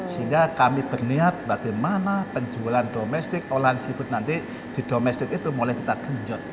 sehingga kami berniat bagaimana penjualan domestik olahan seafood nanti di domestik itu mulai kita genjot